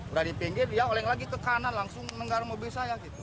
udah di pinggir dia oleng lagi ke kanan langsung menggarung mobil saya gitu